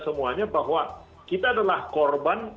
semuanya bahwa kita adalah korban